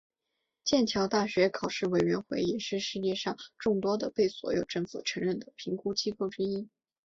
剑桥大学考试委员会也是世界上众多的被所有政府承认的评估机构之一。